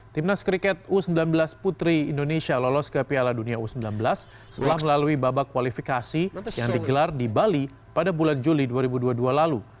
timnas kriket u sembilan belas putri indonesia lolos ke piala dunia u sembilan belas setelah melalui babak kualifikasi yang digelar di bali pada bulan juli dua ribu dua puluh dua lalu